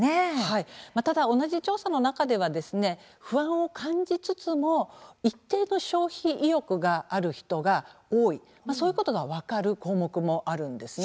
ただ同じ調査の中ではですね不安を感じつつも一定の消費意欲がある人が多いそういうことが分かる項目もあるんですね。